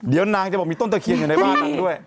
เดี๋ยวนางจะบอกมีต้นตะเคียนอยู่ในบ้านนางด้วย